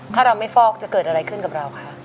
ถ้าเราไม่ฟอกจะเกิดอะไรขึ้นกับเราคะ